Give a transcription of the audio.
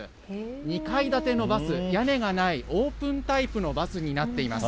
２階建てのバス、屋根がないオープンタイプのバスになっています。